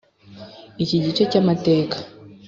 iki gice cy amateka